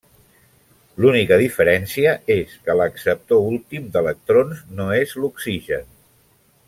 L'única diferència és que l'acceptor últim d'electrons no és l'oxigen.